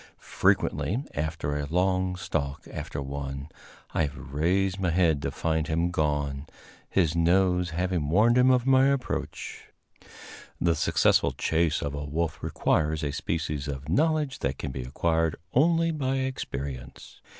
Frequently, after a long stalk after one, have I raised my head to find him gone, his nose having warned him of my approach. The successful chase of the wolf requires a species of knowledge that can be acquired only by experience.